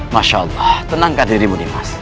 masya allah tenangkan dirimu nih mas